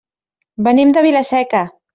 Venim de Vila-seca.